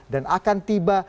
dan akan tiba